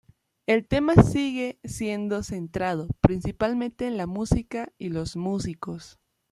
El tema sigue siendo centrado principalmente en la música y los músicos.